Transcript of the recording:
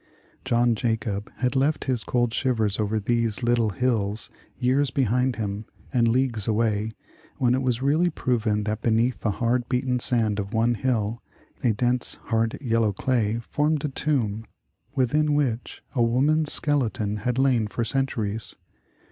John Jacob had left his cold shivers over these ''lit tle hills" 3^ears behind him, and leagues away, when it was really proven that beneath the hard beaten sand of one hill, a dense, hard, yellow clay formed a tomb, with in which a woman's skeleton had lain for centuries.